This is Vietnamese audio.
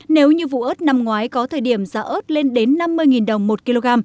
nếu như vụ ớt năm ngoái có thời điểm giá ớt lên đến năm mươi đồng một kg